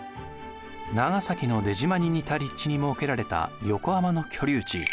長崎の出島に似た立地に設けられた横浜の居留地。